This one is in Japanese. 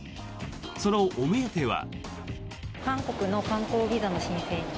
そのお目当ては。